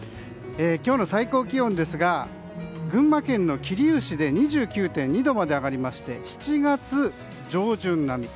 今日の最高気温ですが群馬県の桐生市で２９．２度まで上がりまして７月上旬並み。